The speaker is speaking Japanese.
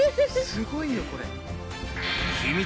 すごいよこれ。